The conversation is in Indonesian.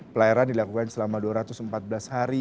pelayaran dilakukan selama dua ratus empat belas hari